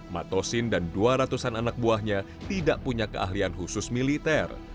matosin dan dua ratus an anak buahnya tidak punya keahlian khusus militer